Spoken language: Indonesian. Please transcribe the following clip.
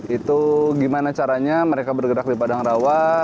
itu gimana caranya mereka bergerak di padang rawa